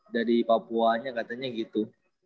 dari papuanya katanya gitu